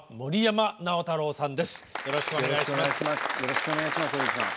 よろしくお願いします大泉さん。